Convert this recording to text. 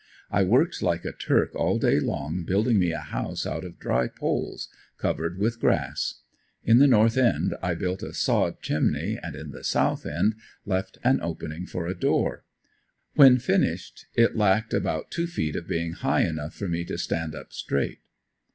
I worked like a turk all day long building me a house out of dry poles covered with grass. In the north end I built a "sod" chimney and in the south end, left an opening for a door. When finished it lacked about two feet of being high enough for me to stand up straight.